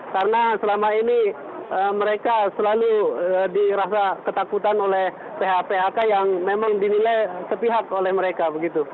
karena selama ini mereka selalu dirasa ketakutan oleh phk yang memang dinilai setihat oleh mereka